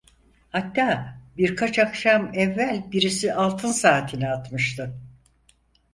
Hatta birkaç akşam evvel birisi altın saatini atmıştı.